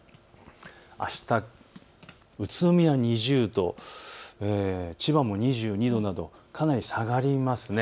あした宇都宮２０度、千葉も２２度などかなり下がりますね。